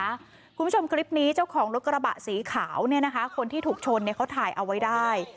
คุณผู้ชมคลิปนี้เจ้าของรถกระบะสีขาวเนี่ยนะคะคนที่ถูกชนเนี่ยเขาถ่ายเอาไว้ได้